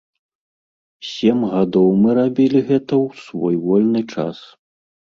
Сем гадоў мы рабілі гэта ў свой вольны час.